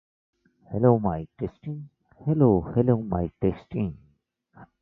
Parallel developments soon followed in the United States.